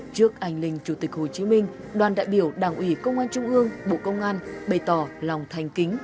trước anh linh chủ tịch hồ chí minh đoàn đại biểu đảng ủy công an trung ương bộ công an bày tỏ lòng thành kính